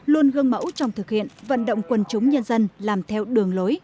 luôn gương mẫu trong thực hiện vận động quân chúng nhân dân làm theo đường lối